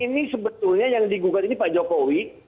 ini sebetulnya yang digugat ini pak jokowi